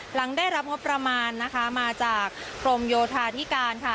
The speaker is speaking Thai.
หลังได้รับงบประมาณนะคะมาจากกรมโยธาธิการค่ะ